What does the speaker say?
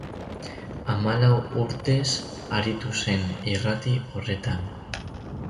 Hamalau urtez aritu zen irrati horretan.